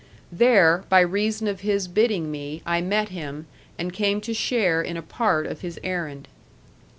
There, by reason of his bidding me, I met him, and came to share in a part of his errand.